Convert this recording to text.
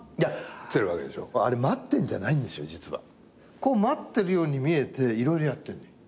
こう待ってるように見えて色々やってんの。